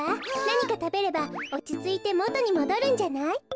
なにかたべればおちついてもとにもどるんじゃない？